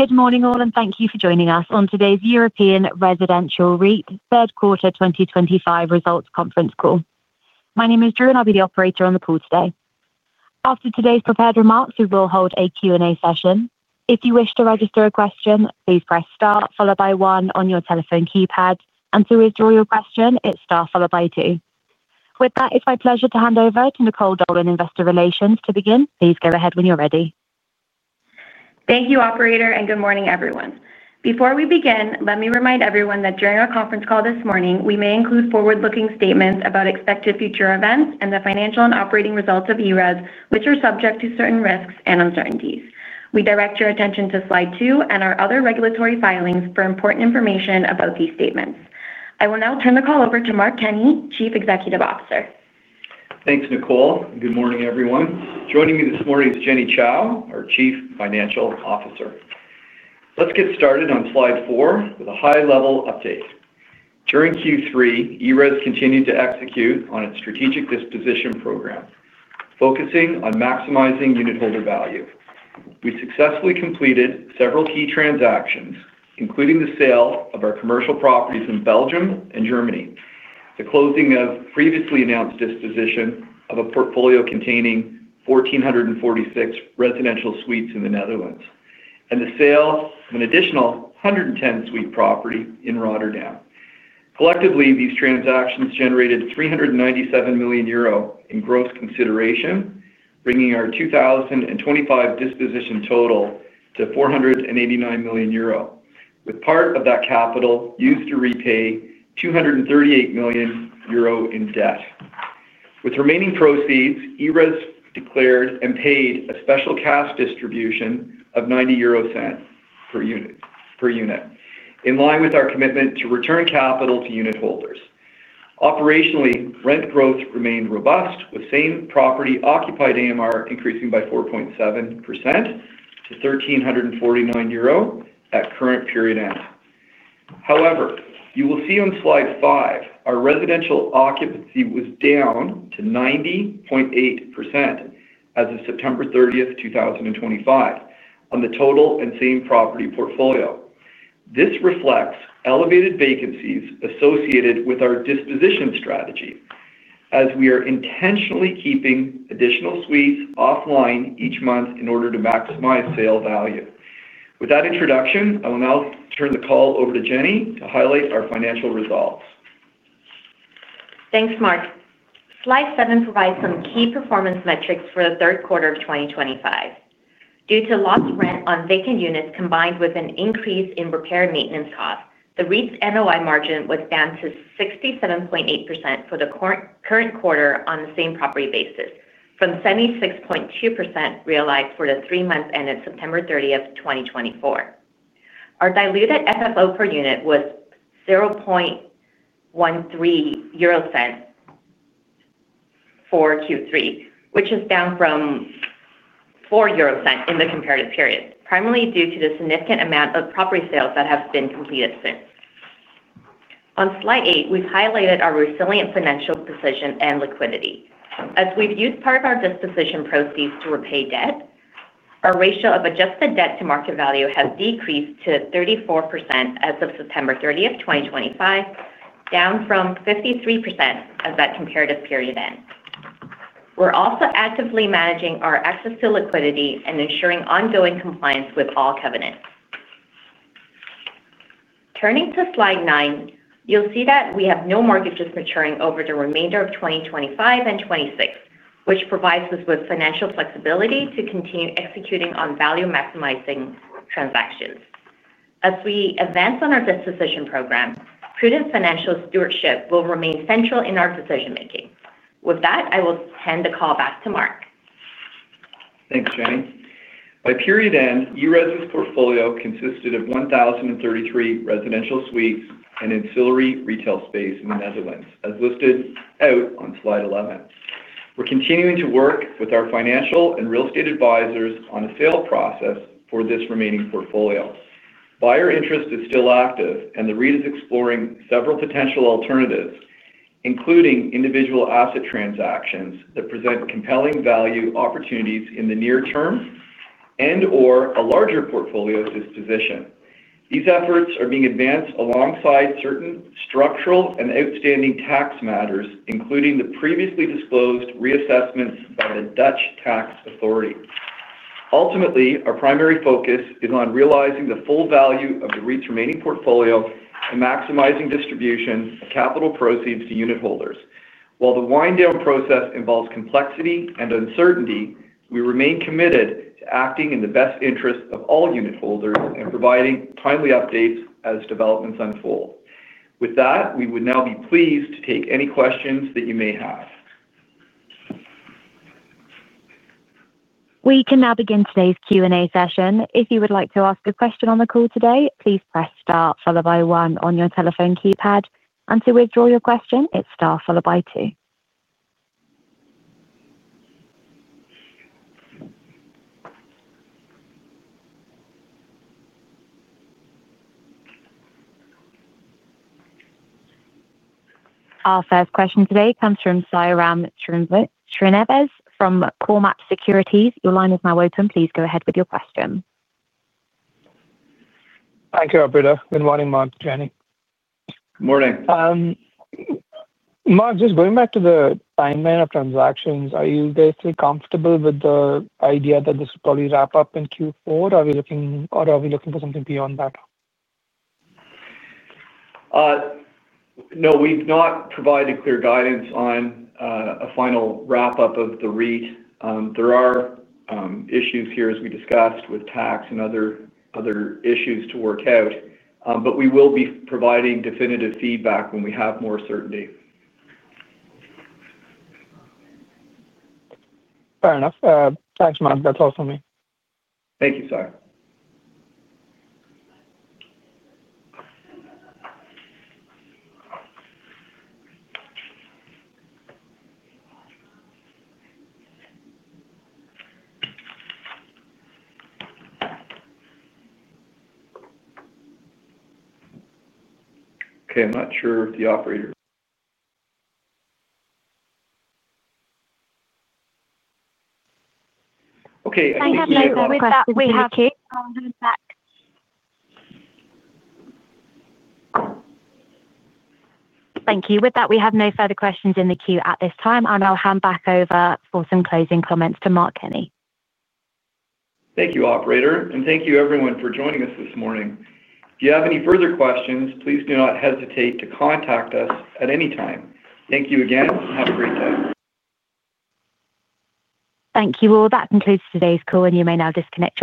Good morning, all, and thank you for joining us on today's European Residential REIT third quarter 2025 results conference call. My name is Drew, and I'll be the operator on the call today. After today's prepared remarks, we will hold a Q&A session. If you wish to register a question, please press star followed by one on your telephone keypad, and to withdraw your question, hit star followed by two. With that, it's my pleasure to hand over to Nicole Dolan, Investor Relations. To begin, please go ahead when you're ready. Thank you, operator, and good morning, everyone. Before we begin, let me remind everyone that during our conference call this morning, we may include forward-looking statements about expected future events and the financial and operating results of EREDS, which are subject to certain risks and uncertainties. We direct your attention to slide two and our other regulatory filings for important information about these statements. I will now turn the call over to Mark Kenny, Chief Executive Officer. Thanks, Nicole. Good morning, everyone. Joining me this morning is Jenny Chou, our Chief Financial Officer. Let's get started on slide four with a high-level update. During Q3, EREDS continued to execute on its strategic disposition program. Focusing on maximizing unit holder value, we successfully completed several key transactions, including the sale of our commercial properties in Belgium and Germany, the closing of previously announced disposition of a portfolio containing 1,446 residential suites in the Netherlands, and the sale of an additional 110-suite property in Rotterdam. Collectively, these transactions generated 397 million euro in gross consideration, bringing our 2025 disposition total to 489 million euro, with part of that capital used to repay 238 million euro in debt. With remaining proceeds, EREDS declared and paid a special cash distribution of 90 euro per unit in line with our commitment to return capital to unit holders. Operationally, rent growth remained robust, with same property occupied AMR increasing by 4.7% to 1,349 euro at current period end. However, you will see on slide five, our residential occupancy was down to 90.8% as of September 30, 2025, on the total and same property portfolio. This reflects elevated vacancies associated with our disposition strategy, as we are intentionally keeping additional suites offline each month in order to maximize sale value. With that introduction, I will now turn the call over to Jenny to highlight our financial results. Thanks, Mark. Slide seven provides some key performance metrics for the third quarter of 2025. Due to lost rent on vacant units combined with an increase in repair and maintenance costs, the REIT's NOI margin was down to 67.8% for the current quarter on the same property basis, from 76.2% realized for the three months ended September 30, 2024. Our diluted FFO per unit was 0.13 for Q3, which is down from 0.4 in the comparative period, primarily due to the significant amount of property sales that have been completed since. On slide eight, we've highlighted our resilient financial position and liquidity. As we've used part of our disposition proceeds to repay debt, our ratio of adjusted debt to market value has decreased to 34% as of September 30, 2025, down from 53% as that comparative period end. We're also actively managing our access to liquidity and ensuring ongoing compliance with all covenants. Turning to slide nine, you'll see that we have no mortgages maturing over the remainder of 2025 and 2026, which provides us with financial flexibility to continue executing on value maximizing transactions. As we advance on our disposition program, prudent financial stewardship will remain central in our decision-making. With that, I will hand the call back to Mark. Thanks, Jenny. By period end, EREDS's portfolio consisted of 1,033 residential suites and ancillary retail space in the Netherlands, as listed out on slide 11. We're continuing to work with our financial and real estate advisors on a sale process for this remaining portfolio. Buyer interest is still active, and the REIT is exploring several potential alternatives, including individual asset transactions that present compelling value opportunities in the near term and/or a larger portfolio disposition. These efforts are being advanced alongside certain structural and outstanding tax matters, including the previously disclosed reassessments by the Dutch tax authority. Ultimately, our primary focus is on realizing the full value of the REIT's remaining portfolio and maximizing distribution of capital proceeds to unit holders. While the wind-down process involves complexity and uncertainty, we remain committed to acting in the best interest of all unit holders and providing timely updates as developments unfold. With that, we would now be pleased to take any questions that you may have. We can now begin today's Q&A session. If you would like to ask a question on the call today, please press star followed by one on your telephone keypad, and to withdraw your question, hit star followed by two. Our first question today comes from Sairaam Srinivas from Cormark Securities. Your line is now open. Please go ahead with your question. Thank you, operator. Good morning, Mark, Jenny. Good morning. Mark, just going back to the timeline of transactions, are you basically comfortable with the idea that this will probably wrap up in Q4? Are we looking or are we looking for something beyond that? No, we've not provided clear guidance on a final wrap-up of the REIT. There are issues here, as we discussed, with tax and other issues to work out, but we will be providing definitive feedback when we have more certainty. Fair enough. Thanks, Mark. That's all from me. Thank you, Sai. Okay. I'm not sure if the operator. Okay. Thank you. Thank you. With that, we have no further questions in the queue at this time, and I'll hand back over for some closing comments to Mark Kenney. Thank you, operator, and thank you, everyone, for joining us this morning. If you have any further questions, please do not hesitate to contact us at any time. Thank you again, and have a great day. Thank you all. That concludes today's call, and you may now disconnect.